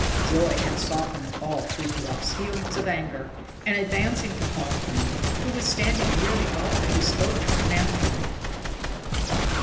Joy had softened all Frithiofs feelings of anger, and, advancing to Halfdan, who was standing near the altar, he spoke out manfully.